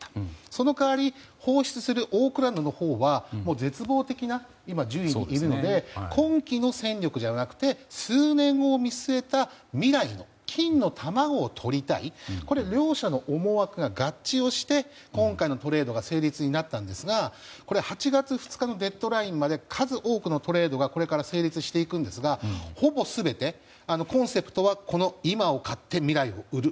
その代わり、放出するオークランドのほうは絶望的な順位に今いるので今季の戦力ではなくて数年後を見据えた未来の金の卵をとりたい。両者の思惑が合致をして今回のトレードが成立になったんですが８月２日のデッドラインまで数多くのトレードがこれから成立していきますがほぼ全てコンセプトはこの、今を買って未来を売る。